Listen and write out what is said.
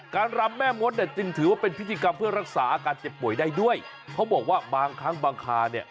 รำแม่มดเนี่ยจึงถือว่าเป็นพิธีกรรมเพื่อรักษาอาการเจ็บป่วยได้ด้วยเขาบอกว่าบางครั้งบางคาเนี่ย